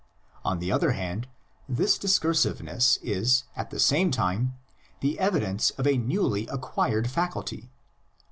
On the other hand, this discur siveness is at the same time the evidence of a newly acquired faculty.